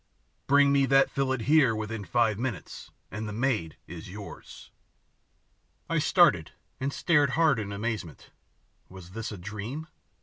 Bring me that fillet here within five minutes and the maid is yours." I started, and stared hard in amazement. Was this a dream?